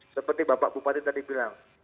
seperti bapak bupati tadi bilang